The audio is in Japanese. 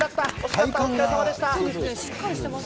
お疲れさまでした。